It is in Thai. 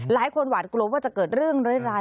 หวาดกลัวว่าจะเกิดเรื่องร้าย